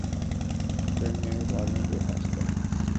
film unit والوں کے حوصلے